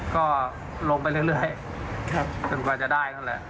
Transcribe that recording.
ก็ลมไปเรื่อยจนกว่าจะได้ก็เลย